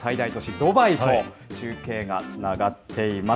ドバイと中継がつながっています。